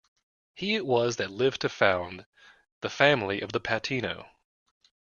He it was that lived to found the family of the Patino.